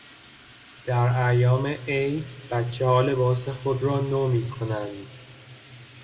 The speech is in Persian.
در ایام عید بچهها لباس خود را نو می کنند.